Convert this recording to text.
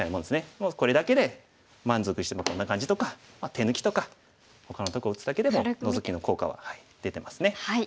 もうこれだけで満足してこんな感じとか手抜きとかほかのとこ打つだけでもノゾキの効果は出てますね。